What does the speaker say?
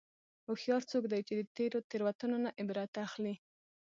هوښیار څوک دی چې د تېرو تېروتنو نه عبرت اخلي.